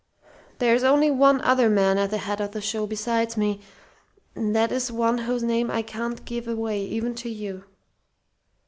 There's only one other man at the head of the show besides me, and that is one whose name I can't give away even to you.